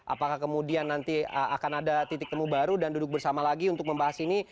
apakah kemudian nanti akan ada titik temu baru dan duduk bersama lagi untuk membahas ini